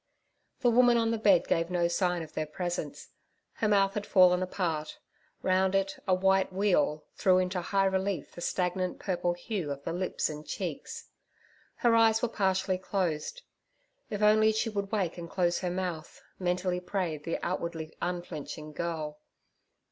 The woman on the bed gave no sign of their presence. Her mouth had fallen apart; round it a white weal threw into high relief the stagnant purple hue of the lips and cheeks. Her eyes were partially closed. If only she would wake and close her mouth, mentally prayed the outwardly unflinching girl.